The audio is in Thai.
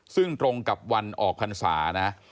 ซึ่งตรงกับวันออกพรรษานะ